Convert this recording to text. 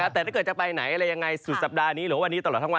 แต่ถ้าเกิดจะไปไหนอะไรยังไงสุดสัปดาห์นี้หรือว่าวันนี้ตลอดทั้งวัน